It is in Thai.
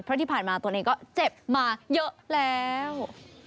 เพราะที่ผ่านมาตัวเองก็เจ็บมาเยอะแล้ว